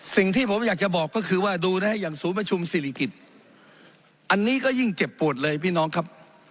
สิ่งที่ผมอยากจะบอกก็คือว่าดูนะฮะอย่างศูนย์ประชุมศิริกิจอันนี้ก็ยิ่งเจ็บปวดเลยพี่น้องครับ